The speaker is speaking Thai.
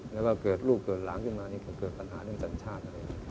แล้วก็เกิดรูปเกิดหลังขึ้นมาก็เกิดปัญหาเรื่องสรรชาติ